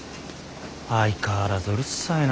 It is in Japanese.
相変わらずうるさいな。